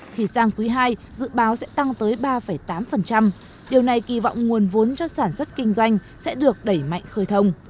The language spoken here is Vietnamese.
thì sang quý ii dự báo sẽ tăng tới ba tám điều này kỳ vọng nguồn vốn cho sản xuất kinh doanh sẽ được đẩy mạnh khơi thông